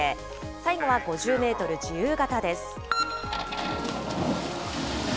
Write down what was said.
最後は５０メートル自由形です。